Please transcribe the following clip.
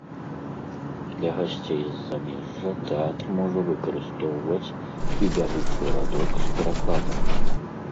Для гасцей з замежжа тэатр можа выкарыстоўваць і бягучы радок з перакладам.